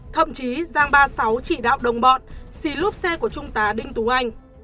thậm chí giang ba mươi sáu chỉ đạo đồng bọn xì lốp xe của trung tá đinh tú anh